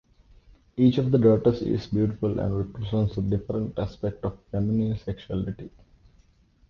Each of the daughters is beautiful and represents a different aspect of feminine sexuality.